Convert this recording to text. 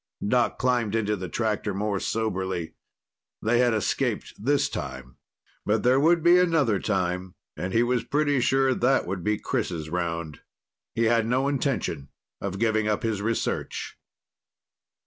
Doc climbed into the tractor more soberly. They had escaped this time. But there would be another time, and he was pretty sure that would be Chris' round. He had no intention of giving up his research.